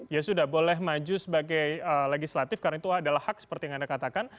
ya sudah boleh maju sebagai legislatif karena itu adalah hak seperti yang anda katakan